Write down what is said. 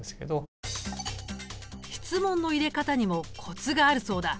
質問の入れ方にもコツがあるそうだ。